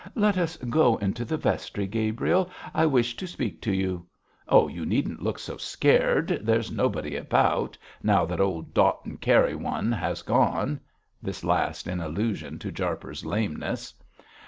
'Let us go into the vestry, Gabriel, I wish to speak to you. Oh, you needn't look so scared; there's nobody about, now that old Dot and carry one has gone' this last in allusion to Jarper's lameness.